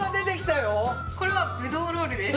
これはぶどうロールです。